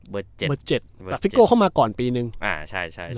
เบอร์เจ็ดเบอร์เจ็ดฟิโก้เข้ามาก่อนปีหนึ่งอ่าใช่ใช่